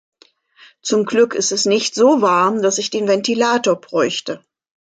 Zum Glück ist es nicht so warm, dass ich den Ventilator bräuchte.